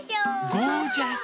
ゴージャス。